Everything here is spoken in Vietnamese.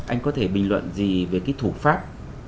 anh có thể bình luận gì về cái thủ pháp